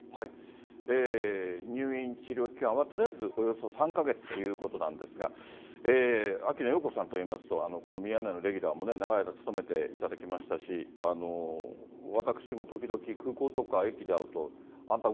入院治療期間はとりあえずおよそ３か月ということなんですが、秋野暢子さんといいますと、このミヤネ屋のレギュラーも長いこと務めていただきましたし、私も時々、空港とか駅で会うと、あんた、